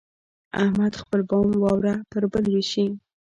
احمد خپل بام واوره پر بل وشي.